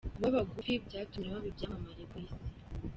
Kuba bagufi byatumye baba ibyamamare ku Isi